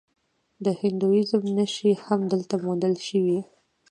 د هندویزم نښې هم دلته موندل شوي